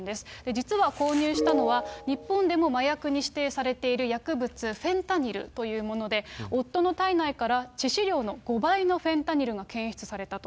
実は購入したのは、日本でも麻薬に指定されている薬物、フェンタニルというもので、夫の体内から致死量の５倍のフェンタニルが検出されたと。